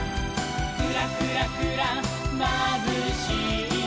「クラクラクラまぶしいよ」